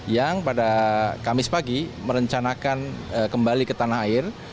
yang pada kamis pagi merencanakan kembali ke tanah air